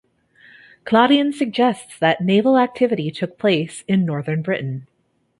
Claudian suggests that naval activity took place in northern Britain.